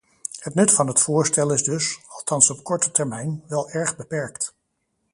Het nut van het voorstel is dus, althans op korte termijn, wel erg beperkt.